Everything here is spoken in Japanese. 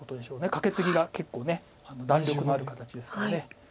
カケツギが結構弾力のある形ですから。